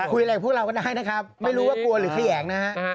คุยอะไรกับพวกเราก็ได้นะครับไม่รู้ว่ากลัวหรือแขยงนะฮะ